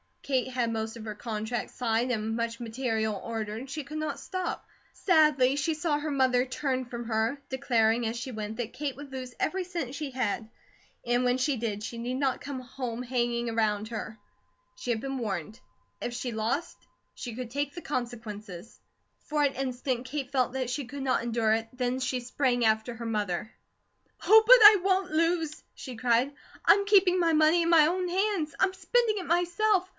Kate had most of her contracts signed and much material ordered, she could not stop. Sadly she saw her mother turn from her, declaring as she went that Kate would lose every cent she had, and when she did she need not come hanging around her. She had been warned. If she lost, she could take the consequences. For an instant Kate felt that she could not endure it then she sprang after her mother. "Oh, but I won't lose!" she cried. "I'm keeping my money in my own hands. I'm spending it myself.